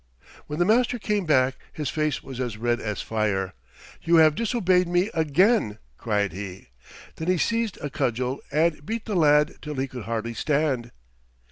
When the Master came back his face was as red as fire. "You have disobeyed me again," cried he. Then he seized a cudgel and beat the lad till he could hardly stand.